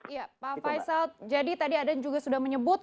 iya pak faisal jadi tadi ada yang juga sudah menyebut